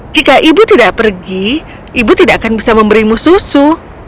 jika ibu tidak pergi ibu tidak akan bisa memberimu susu